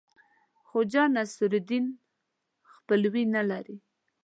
خواجه نصیرالدین خپلوي نه لري.